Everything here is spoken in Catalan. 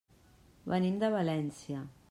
Venim de València.